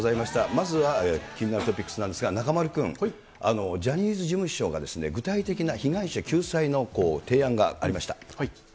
まずは気になるトピックスなんですが、中丸君、ジャニーズ事務所がですね、具体的な被害者救済の提案がありました。